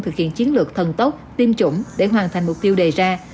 thực hiện chiến lược thần tốc tiêm chủng để hoàn thành mục tiêu đề ra